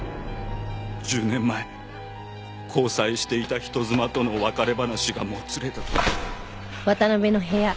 １０年前交際していた人妻との別れ話がもつれた時。